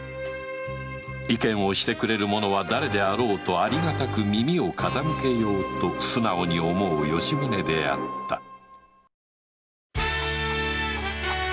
意見をしてくれる者は誰であろうとありがたく耳を傾けようと素直に思う吉宗であった